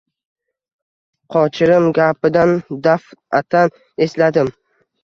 Qochirim gapidan daf`atan esladim